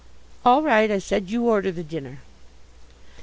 "All right," I said. "You order the dinner."